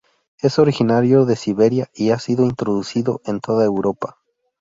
Es originario de Siberia y ha sido introducido en toda Europa.